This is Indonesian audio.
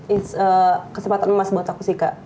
it s kesempatan emas buat aku sih kak